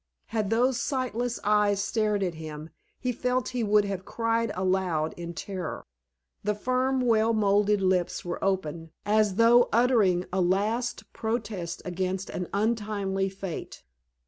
Had those sightless eyes stared at him he felt he would have cried aloud in terror. The firm, well molded lips were open, as though uttering a last protest against an untimely fate.